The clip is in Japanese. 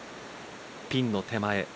ピンの手前